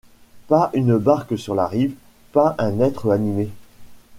Pas une barque sur la rive ; pas un être animé.